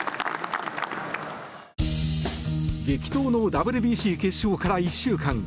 激闘のＷＢＣ決勝から１週間。